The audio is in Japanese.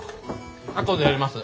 あとでやります。